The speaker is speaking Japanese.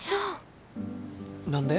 何で？